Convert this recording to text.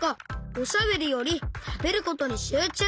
おしゃべりよりたべることにしゅうちゅう。